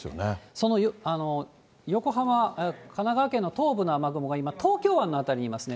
その横浜、神奈川県の東部の雨雲が今、東京湾の辺りにいますね。